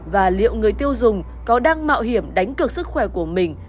và liệu người tiêu dùng có đang mạo hiểm đánh cực sức khỏe của mình